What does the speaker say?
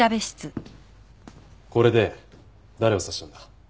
これで誰を刺したんだ？